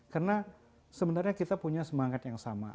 karena sebenarnya kita punya semangat yang sama